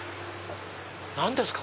何ですか？